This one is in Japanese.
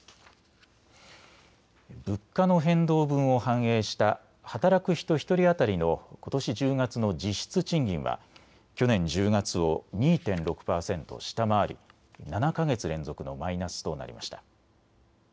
物価の変動分を反映した働く人１人当たりのことし１０月の実質賃金は去年１０月を２．６％下回り７か月連続のマイナスとなりました。